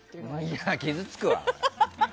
いや、傷つくわ！